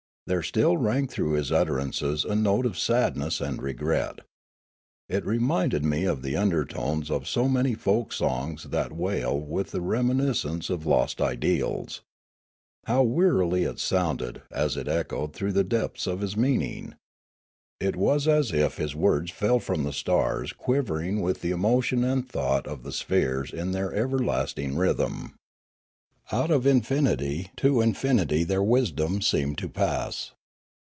There still rang through his utterances a note of sad ness and regret. It reminded me of the undertones of so many folk songs that wail with the reminiscence of lost ideals. How wearily it sounded, as it echoed through the depths of his meaning ! It was as if his words fell from the stars quivering with the emotion 380 Riallaro and thought of the spheres in their everlasting rhythm. Out of infinity into infinity their wisdom seemed to pass.